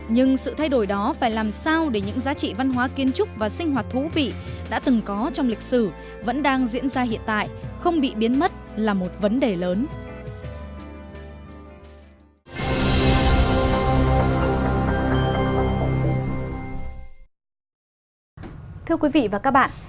nhưng sự thay đổi đó phải làm sao để những giá trị văn hóa kiến trúc và sinh hoạt thú vị đã từng có trong lịch sử vẫn đang diễn ra hiện tại không bị biến mất là một vấn đề lớn